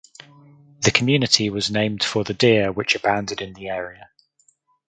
The community was named for the deer which abounded in the area.